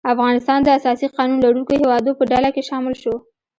افغانستان د اساسي قانون لرونکو هیوادو په ډله کې شامل شو.